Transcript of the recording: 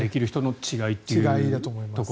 違いだと思います。